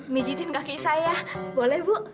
mijitin kaki saya boleh bu